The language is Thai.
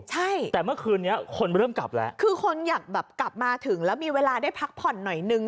ใช่แต่เมื่อคืนนี้คนเริ่มกลับแล้วคือคนอยากแบบกลับมาถึงแล้วมีเวลาได้พักผ่อนหน่อยนึง